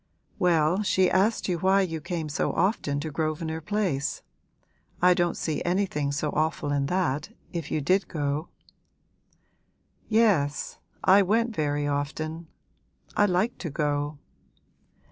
'Well, that she asked you why you came so often to Grosvenor Place. I don't see anything so awful in that, if you did go.' 'Yes, I went very often. I liked to go.'